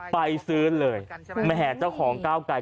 ไปซื้อเลยมหาจ้าของคล้าวไก่ก็ได้